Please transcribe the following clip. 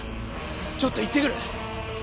ちょっと行ってくる。